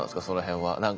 その辺は。